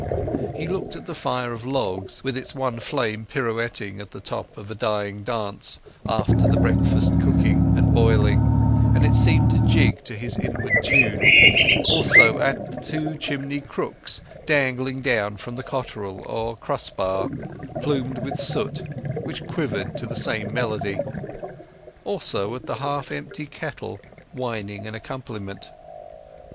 He looked at the fire of logs, with its one flame pirouetting on the top in a dying dance after the breakfast cooking and boiling, and it seemed to jig to his inward tune; also at the two chimney crooks dangling down from the cotterel, or cross bar, plumed with soot, which quivered to the same melody; also at the half empty kettle whining an accompaniment.